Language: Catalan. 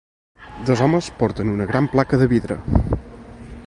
Dos homes porten una gran placa de vidre.